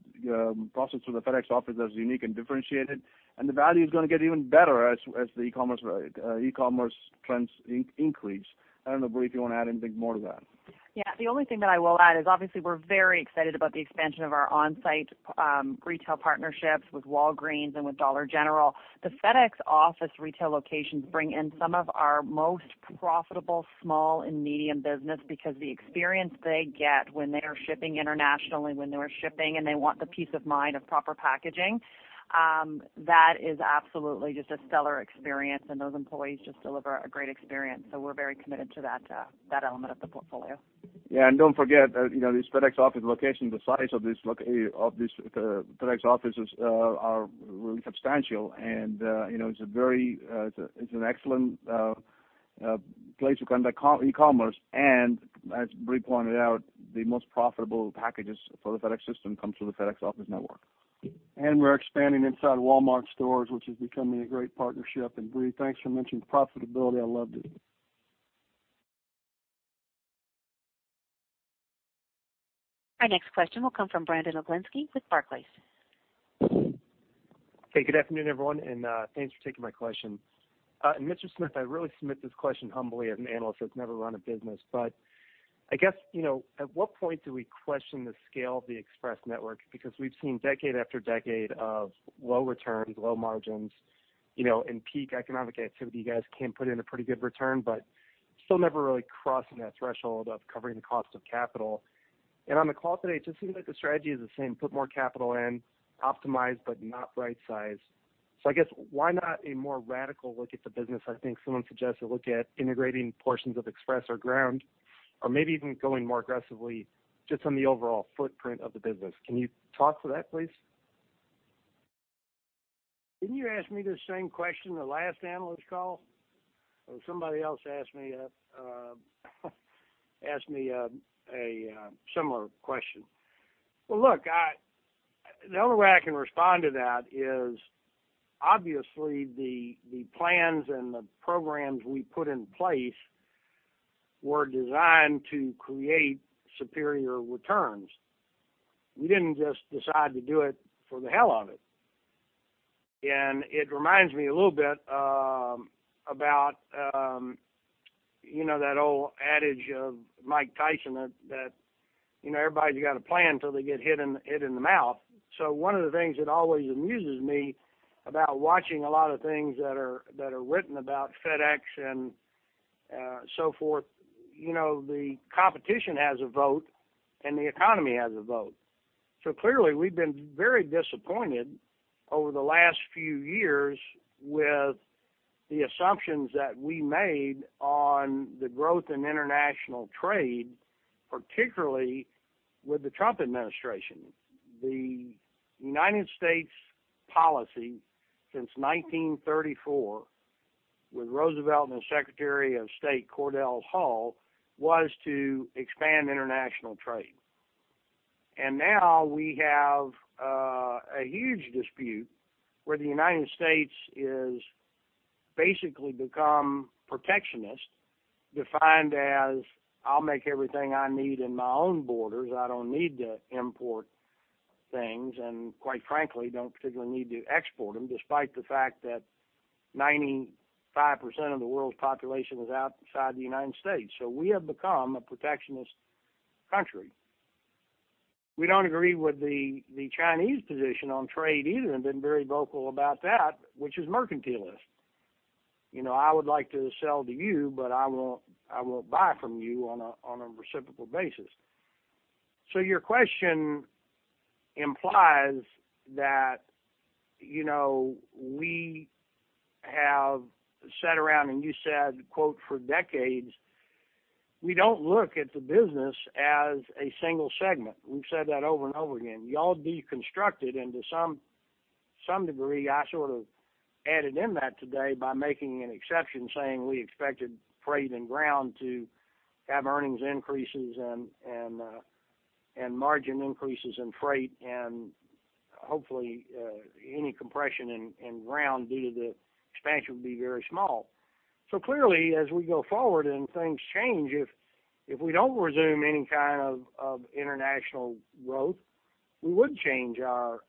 process through the FedEx Office that's unique and differentiated, and the value's going to get even better as the e-commerce trends increase. I don't know, Brie, if you want to add anything more to that. Yeah. The only thing that I will add is obviously we're very excited about the expansion of our on-site retail partnerships with Walgreens and with Dollar General. The FedEx Office retail locations bring in some of our most profitable small and medium business because the experience they get when they are shipping internationally, when they are shipping and they want the peace of mind of proper packaging, that is absolutely just a stellar experience, and those employees just deliver a great experience. We're very committed to that element of the portfolio. Yeah. Do not forget, these FedEx Office locations, the size of these FedEx Office locations are really substantial, and it is an excellent place to conduct e-commerce. As Brie pointed out, the most profitable packages for the FedEx system comes from the FedEx Office network. We are expanding inside Walmart stores, which is becoming a great partnership. Brie, thanks for mentioning profitability. I loved it. Our next question will come from Brandon Oglenski with Barclays. Hey, good afternoon, everyone, and thanks for taking my question. Mr. Smith, I really submit this question humbly as an analyst that has never run a business. I guess, at what point do we question the scale of the Express network? We have seen decade after decade of low returns, low margins. In peak economic activity, you guys can put in a pretty good return, but still never really crossing that threshold of covering the cost of capital. On the call today, it just seems like the strategy is the same, put more capital in, optimize, but not right size. I guess why not a more radical look at the business? I think someone suggested look at integrating portions of Express or Ground, or maybe even going more aggressively just on the overall footprint of the business. Can you talk to that, please? Didn't you ask me the same question the last analyst call? Or somebody else asked me a similar question. Look, the only way I can respond to that is obviously the plans and the programs we put in place were designed to create superior returns. We didn't just decide to do it for the hell of it. It reminds me a little bit about that old adage of Mike Tyson, that everybody's got a plan till they get hit in the mouth. One of the things that always amuses me about watching a lot of things that are written about FedEx and so forth, the competition has a vote and the economy has a vote. Clearly, we've been very disappointed over the last few years with the assumptions that we made on the growth in international trade, particularly with the Trump administration. The U.S. policy since 1934 with Roosevelt and Secretary of State, Cordell Hull, was to expand international trade. Now we have a huge dispute where the U.S. has basically become protectionist, defined as, I'll make everything I need in my own borders. I don't need to import things, and quite frankly, don't particularly need to export them, despite the fact that 95% of the world's population is outside the U.S. We have become a protectionist country. We don't agree with the Chinese position on trade either and have been very vocal about that, which is mercantilist. I would like to sell to you, but I will buy from you on a reciprocal basis. Your question implies that we have sat around, and you said, quote, "for decades." We don't look at the business as a single segment. We've said that over and over again. You all deconstruct it into some degree. I sort of added in that today by making an exception, saying we expected Freight and Ground to have earnings increases and margin increases in Freight and hopefully any compression in Ground due to the expansion would be very small. Clearly, as we go forward and things change, if we don't resume any kind of international growth, we would change our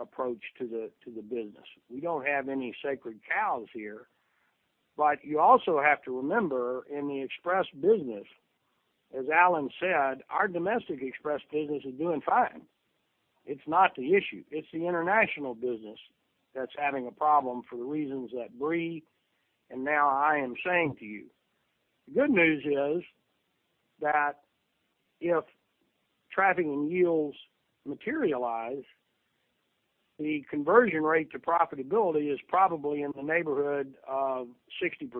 approach to the business. We don't have any sacred cows here. You also have to remember, in the Express business, as Alan said, our domestic Express business is doing fine. It's not the issue. It's the international business that's having a problem for the reasons that Brie and now I am saying to you. The good news is that if traffic and yields materialize, the conversion rate to profitability is probably in the neighborhood of 60%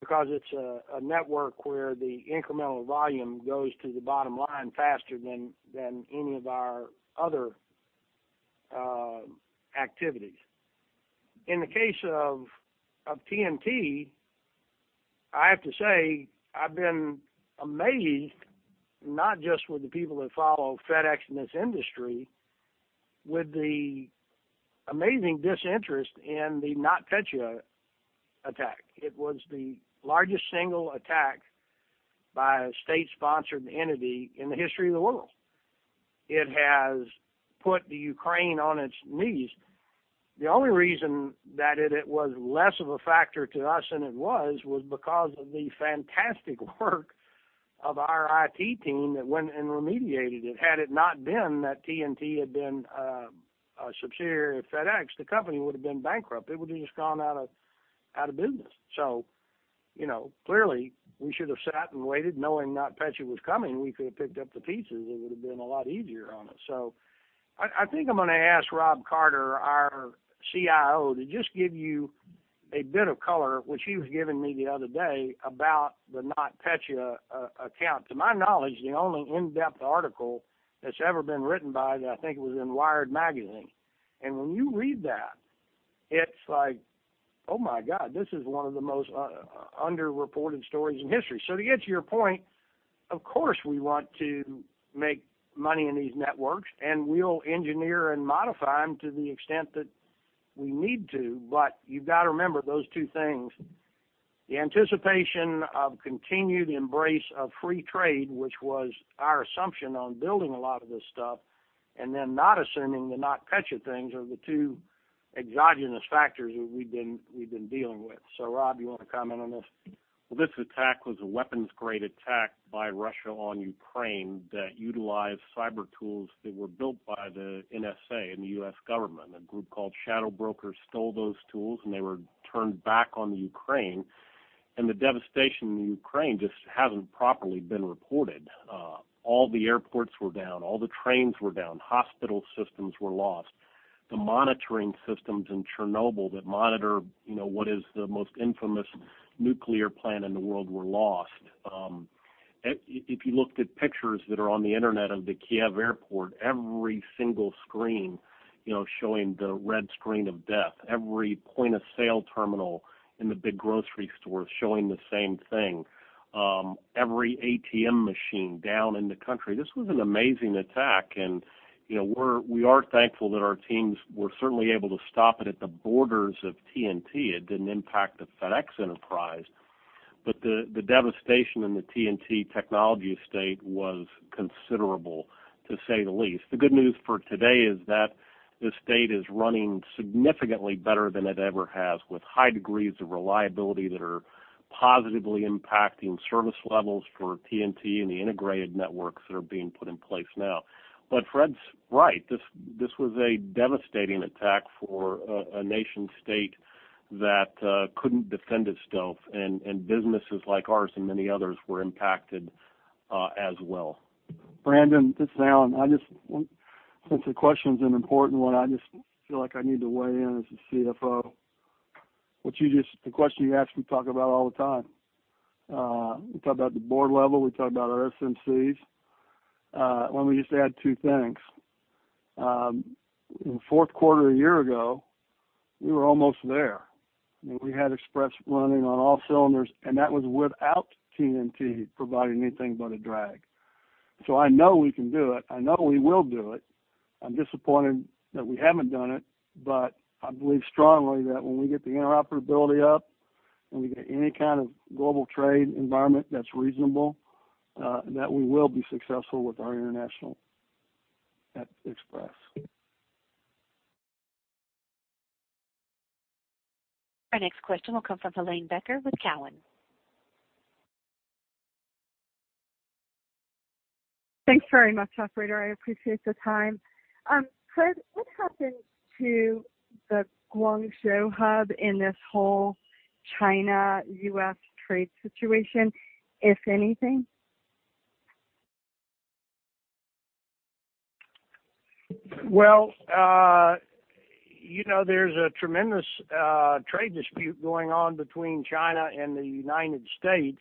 because it's a network where the incremental volume goes to the bottom line faster than any of our other activities. In the case of TNT, I have to say, I've been amazed not just with the people that follow FedEx in this industry, with the amazing disinterest in the NotPetya attack. It was the largest single attack by a state-sponsored entity in the history of the world. It has put Ukraine on its knees. The only reason that it was less of a factor to us than it was because of the fantastic work of our IT team that went and remediated it. Had it not been that TNT had been a subsidiary of FedEx, the company would have been bankrupt. It would have just gone out of business. Clearly, we should have sat and waited knowing NotPetya was coming, and we could have picked up the pieces. It would have been a lot easier on us. I think I'm going to ask Rob Carter, our CIO, to just give you a bit of color, which he was giving me the other day, about the NotPetya attack. To my knowledge, the only in-depth article that's ever been written about it, I think it was in Wired Magazine. When you read that, it's like, oh, my God, this is one of the most underreported stories in history. To get to your point, of course, we want to make money in these networks, and we'll engineer and modify them to the extent that we need to. You've got to remember those two things. The anticipation of continued embrace of free trade, which was our assumption on building a lot of this stuff, and then not assuming the NotPetya things are the two exogenous factors that we've been dealing with. Rob, you want to comment on this? This attack was a weapons-grade attack by Russia on Ukraine that utilized cyber tools that were built by the NSA and the U.S. government. A group called Shadow Broker stole those tools, They were turned back on Ukraine. The devastation in Ukraine just hasn't properly been reported. All the airports were down, all the trains were down, hospital systems were lost. The monitoring systems in Chernobyl that monitor what is the most infamous nuclear plant in the world were lost. If you looked at pictures that are on the internet of the Kyiv Airport, every single screen showing the red screen of death, every point-of-sale terminal in the big grocery stores showing the same thing, every ATM machine down in the country. This was an amazing attack, and we are thankful that our teams were certainly able to stop it at the borders of TNT. It didn't impact the FedEx enterprise. The devastation in the TNT technology estate was considerable, to say the least. The good news for today is that the estate is running significantly better than it ever has, with high degrees of reliability that are positively impacting service levels for TNT and the integrated networks that are being put in place now. Fred's right. This was a devastating attack for a nation state that couldn't defend itself, and businesses like ours and many others were impacted as well. Brandon, it's Alan. Since the question's an important one, I just feel like I need to weigh in as a CFO. The question you asked, we talk about all the time. We talk about at the board level, we talk about our SMCs. Let me just add two things. In the fourth quarter a year ago, we were almost there. We had Express running on all cylinders, and that was without TNT providing anything but a drag. I know we can do it. I know we will do it. I'm disappointed that we haven't done it, but I believe strongly that when we get the interoperability up and we get any kind of global trade environment that's reasonable, that we will be successful with our international at Express. Our next question will come from Helane Becker with Cowen. Thanks very much, operator. I appreciate the time. Fred, what happened to the Guangzhou hub in this whole China-U.S. trade situation, if anything? There's a tremendous trade dispute going on between China and the U.S.,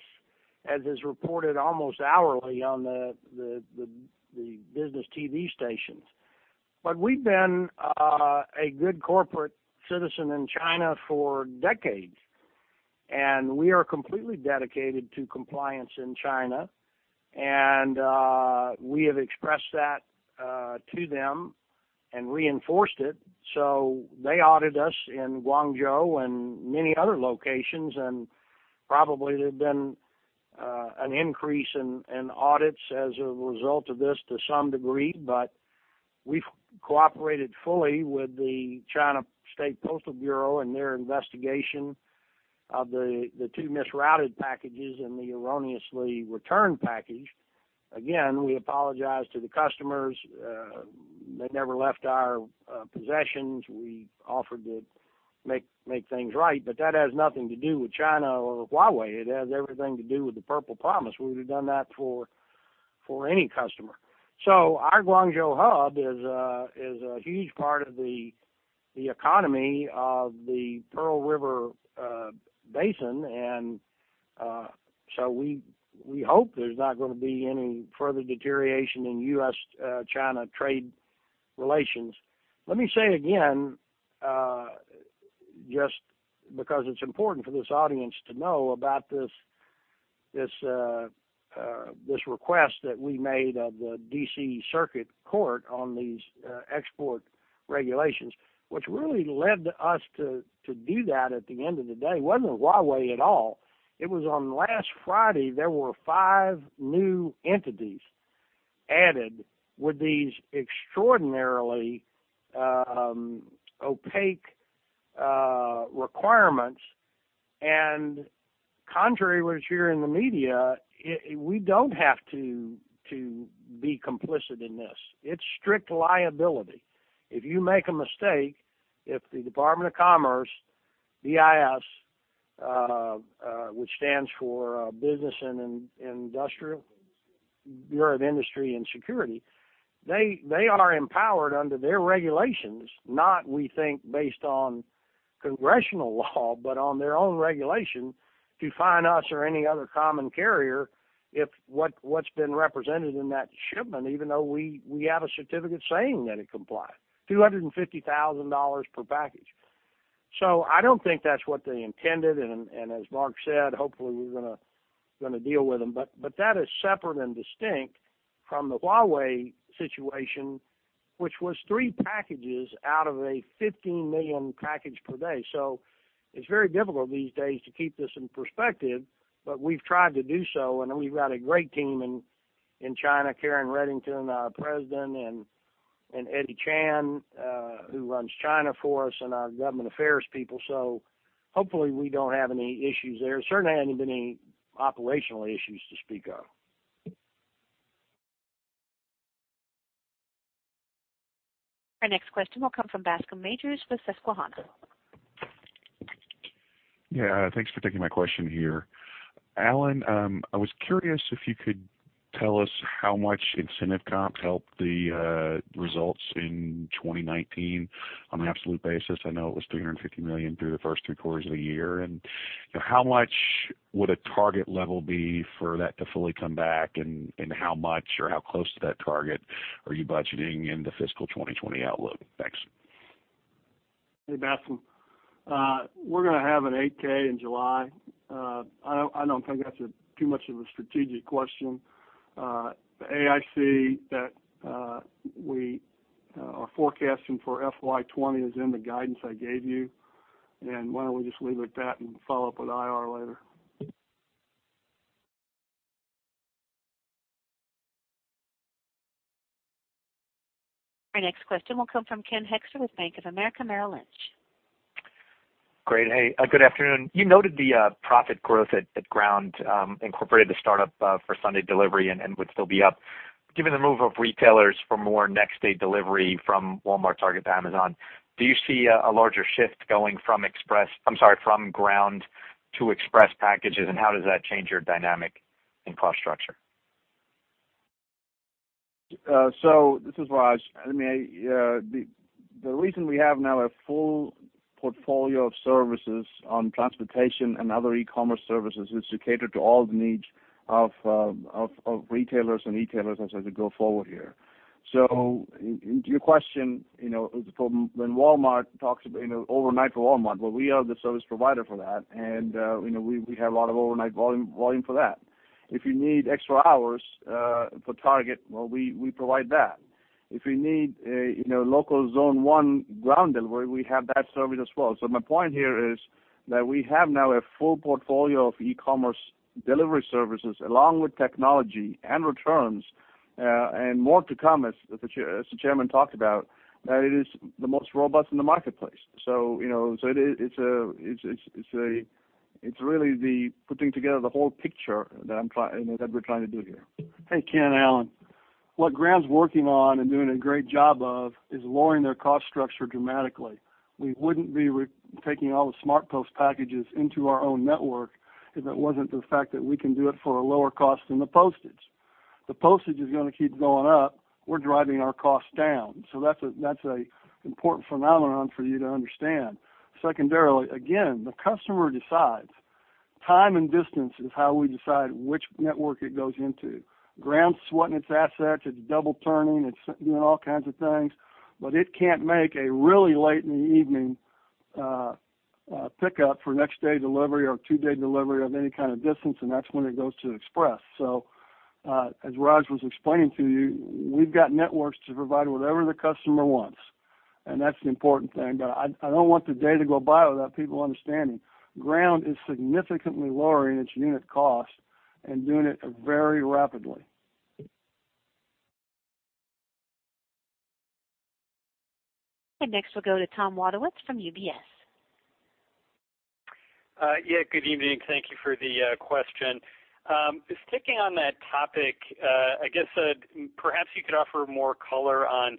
as is reported almost hourly on the business TV stations. We've been a good corporate citizen in China for decades, and we are completely dedicated to compliance in China. We have expressed that to them and reinforced it. They audited us in Guangzhou and many other locations, and probably there's been an increase in audits as a result of this to some degree. We've cooperated fully with the State Post Bureau and their investigation of the two misrouted packages and the erroneously returned package. Again, we apologize to the customers. They never left our possessions. We offered to make things right. That has nothing to do with China or Huawei. It has everything to do with the Purple Promise. We would've done that for any customer. Our Guangzhou hub is a huge part of the economy of the Pearl River basin, we hope there's not going to be any further deterioration in U.S.-China trade relations. Let me say again, just because it's important for this audience to know about this request that we made of the D.C. Circuit Court on these export regulations, what really led us to do that at the end of the day wasn't Huawei at all. It was on last Friday, there were five new entities added with these extraordinarily opaque requirements. Contrary to what you're hearing in the media, we don't have to be complicit in this. It's strict liability. If you make a mistake, if the Department of Commerce, BIS, which stands for Bureau of Industry and Security, they are empowered under their regulations, not we think based on congressional law, but on their own regulation, to fine us or any other common carrier if what's been represented in that shipment, even though we have a certificate saying that it complies, $250,000 per package. I don't think that's what they intended, and as Mark said, hopefully we're going to deal with them. That is separate and distinct from the Huawei situation, which was three packages out of a 15 million package per day. It's very difficult these days to keep this in perspective, we've tried to do so, we've got a great team in China, Karen Reddington, our president, and Eddy Chan, who runs China for us, and our government affairs people. Hopefully we don't have any issues there. Certainly haven't been any operational issues to speak of. Our next question will come from Bascome Majors with Susquehanna. Yeah, thanks for taking my question here. Alan, I was curious if you could tell us how much incentive comp helped the results in 2019 on an absolute basis. I know it was $350 million through the first three quarters of the year. How much would a target level be for that to fully come back, and how much or how close to that target are you budgeting in the fiscal 2020 outlook? Thanks. Hey, Bascome. We're going to have an 8-K in July. I don't think that's too much of a strategic question. The AIC that we are forecasting for FY 2020 is in the guidance I gave you. Why don't we just leave it at that and follow up with IR later? Our next question will come from Ken Hoexter with Bank of America Merrill Lynch. Great. Hey, good afternoon. You noted the profit growth at Ground Incorporated, the start-up for Sunday delivery, and would still be up. Given the move of retailers for more next-day delivery from Walmart, Target to Amazon, do you see a larger shift going from Ground to Express packages, and how does that change your dynamic and cost structure? This is Raj. I mean, The reason we have now a full portfolio of services on transportation and other e-commerce services is to cater to all the needs of retailers and e-tailers as we go forward here. To your question, when Walmart talks about overnight for Walmart, well, we are the service provider for that. We have a lot of overnight volume for that. If you need FedEx Extra Hours for Target, well, we provide that. If you need a local zone 1 ground delivery, we have that service as well. My point here is that we have now a full portfolio of e-commerce delivery services along with technology and returns, and more to come, as the chairman talked about, that it is the most robust in the marketplace. It's really the putting together the whole picture that we're trying to do here. Hey, Ken, Alan. What Ground's working on and doing a great job of is lowering their cost structure dramatically. We wouldn't be taking all the FedEx SmartPost packages into our own network if it wasn't the fact that we can do it for a lower cost than the postage. The postage is going to keep going up. We're driving our costs down. That's an important phenomenon for you to understand. Secondarily, again, the customer decides. Time and distance is how we decide which network it goes into. Ground's sweating its assets. It's double turning. It's doing all kinds of things, but it can't make a really late in the evening pickup for next-day delivery or two-day delivery of any kind of distance, and that's when it goes to Express. As Raj was explaining to you, we've got networks to provide whatever the customer wants, and that's an important thing. I don't want the day to go by without people understanding. Ground is significantly lowering its unit cost and doing it very rapidly. Next we'll go to Thomas Wadewitz from UBS. Yeah, good evening. Thank you for the question. Sticking on that topic, I guess perhaps you could offer more color on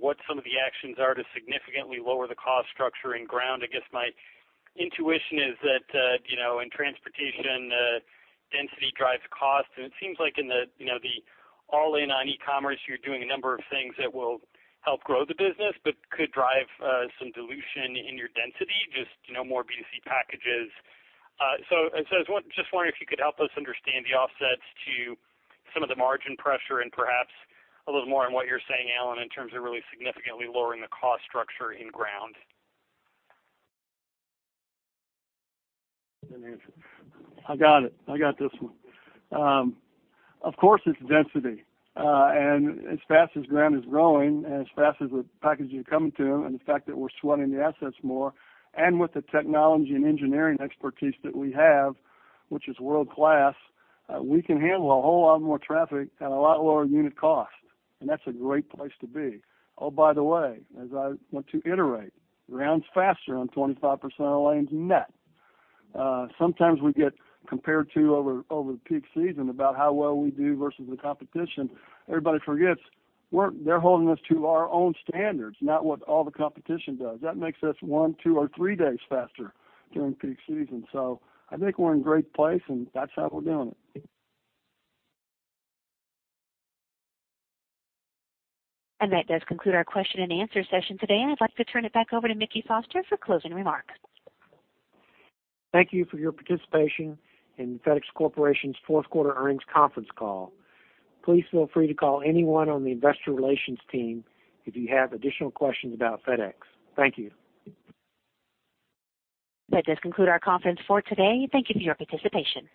what some of the actions are to significantly lower the cost structure in Ground. I guess my intuition is that in transportation, density drives cost, and it seems like in the all-in on e-commerce, you're doing a number of things that will help grow the business but could drive some dilution in your density, just more B2C packages. I was just wondering if you could help us understand the offsets to some of the margin pressure and perhaps a little more on what you're saying, Alan, in terms of really significantly lowering the cost structure in Ground. I got it. I got this one. Of course, it's density. As fast as Ground is growing and as fast as the packages are coming to them, and the fact that we're sweating the assets more, and with the technology and engineering expertise that we have, which is world-class, we can handle a whole lot more traffic at a lot lower unit cost. That's a great place to be. Oh, by the way, as I want to iterate, Ground's faster on 25% of lanes net. Sometimes we get compared to over the peak season about how well we do versus the competition. Everybody forgets they're holding us to our own standards, not what all the competition does. That makes us one, two, or three days faster during peak season. I think we're in a great place, and that's how we're doing it. That does conclude our question and answer session today, and I'd like to turn it back over to Mickey Foster for closing remarks. Thank you for your participation in FedEx Corporation's fourth quarter earnings conference call. Please feel free to call anyone on the investor relations team if you have additional questions about FedEx. Thank you. That does conclude our conference for today. Thank you for your participation.